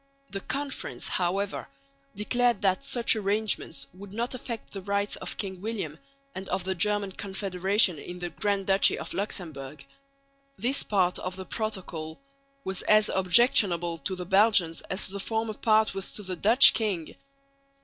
The Conference, however, declared that such arrangements would not affect the rights of King William and of the German Confederation in the Grand Duchy of Luxemburg. This part of the protocol was as objectionable to the Belgians as the former part was to the Dutch king.